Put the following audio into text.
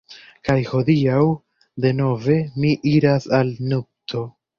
Kaj hodiaŭ, denove, mi iras al nupto.